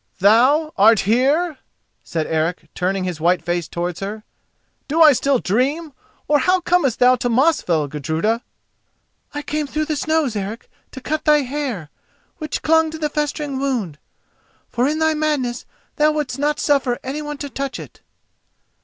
"Thou art here?" said Eric, turning his white face towards her. "Do I still dream, or how comest thou here to Mosfell, Gudruda?" "I came through the snows, Eric, to cut thy hair, which clung to the festering wound, for in thy madness thou wouldst not suffer anyone to touch it."